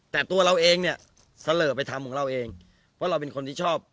แต่ตัวเราเองเนี่ยเสลอไปทำของเราเองเพราะเราเป็นคนที่ชอบ